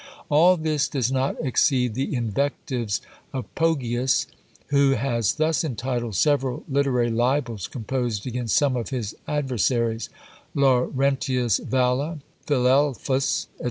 All this does not exceed the Invectives of Poggius, who has thus entitled several literary libels composed against some of his adversaries, Laurentius Valla, Philelphus, &c.